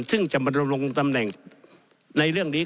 ซึ่งจะมาลงตำแหน่งในเรื่องนี้